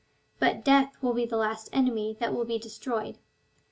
But death will be the last enemy ^ that will be destroyed.